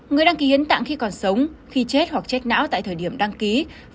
người đăng ký hiến tạng khi còn sống khi chết hoặc chết não tại thời điểm đăng ký